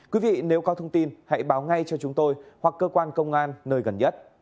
quý vị nếu có thông tin hãy báo ngay cho chúng tôi hoặc cơ quan công an nơi gần nhất